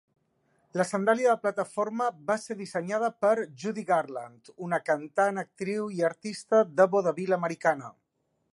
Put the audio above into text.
La sandàlia de plataforma va ser dissenyada per a Judy Garland, una cantant, actriu i artista de vodevil americana.